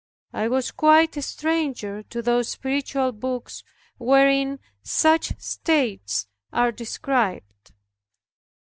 I was quite a stranger to those spiritual books wherein such states are described.